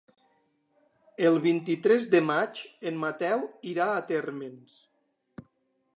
El vint-i-tres de maig en Mateu irà a Térmens.